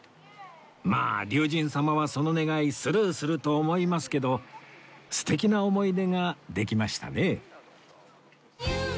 まあ龍神様はその願いスルーすると思いますけど素敵な思い出ができましたね